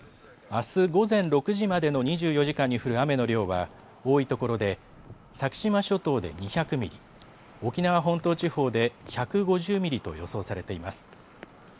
あす午前６時までの２４時間に降る雨の量は多いところで先島諸島で２００ミリ、沖縄本島地方で１５０ミリと予想されています。